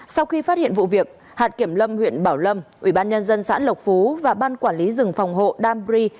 sau khi phát hiện vụ việc hạt kiểm lâm huyện bảo lâm ủy ban nhân dân xã lộc phú và ban quản lý rừng phòng hộ danbri